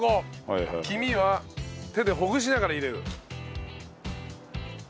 黄身は手でほぐしながら入れる。